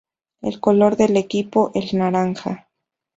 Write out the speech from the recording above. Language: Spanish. El color del equipo el "naranja.